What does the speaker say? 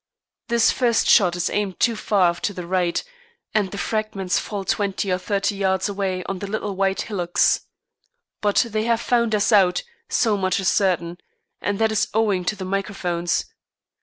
This first shot is aimed too far to the right, and the fragments fall twenty or thirty yards away on the little white hillocks. But they have found us out, so much is certain, and that is owing to the microphones.